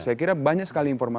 saya kira banyak sekali informasi